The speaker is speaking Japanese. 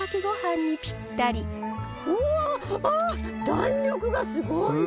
弾力がすごいの。